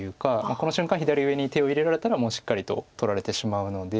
この瞬間左上に手を入れられたらもうしっかりと取られてしまうので。